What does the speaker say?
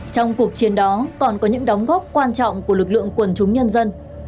trong cuộc chiến đó còn có những đóng góp quan trọng của lực lượng quần chúng nhân dân